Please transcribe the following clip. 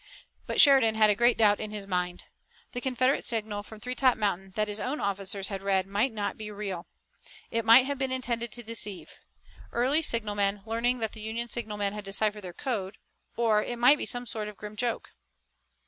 But Sheridan had a great doubt in his mind. The Confederate signal from Three Top Mountain that his own officers had read might not be real. It might have been intended to deceive, Early's signalmen learning that the Union signalmen had deciphered their code, or it might be some sort of a grim joke.